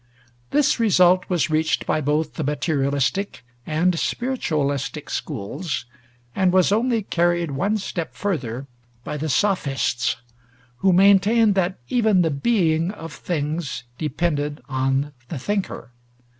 This result was reached by both the materialistic and spiritualistic schools, and was only carried one step further by the Sophists, who maintained that even the being of things depended on the thinker.